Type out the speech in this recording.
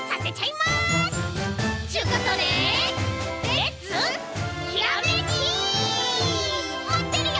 まってるよ！